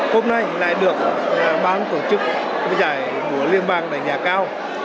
hôm nay lại được bán tổ chức giải búa liên bang đại nhà cao